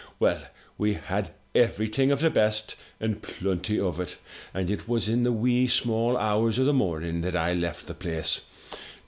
"Well, we had everything of the best, and plenty of it; and it was in the wee small hours o' the morning that I left the place.